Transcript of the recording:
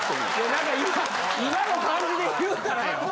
なんか今の感じで言うたらよ。